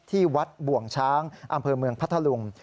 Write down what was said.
ที่วัดบ่วงช้างอำเภอเมืองพัทธลุง